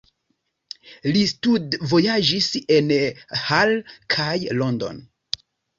Li studvojaĝis en Halle kaj Londono.